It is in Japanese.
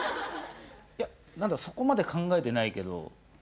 いやそこまで考えてないけど。